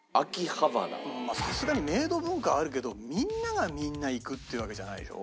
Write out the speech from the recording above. まあさすがにメイド文化はあるけどみんながみんな行くってわけじゃないでしょ？